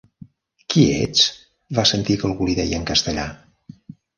"Qui ets?", va sentir que algú li deia en castellà.